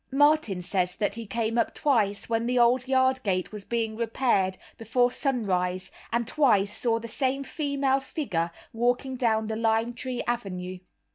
"Martin says that he came up twice, when the old yard gate was being repaired, before sunrise, and twice saw the same female figure walking down the lime tree avenue."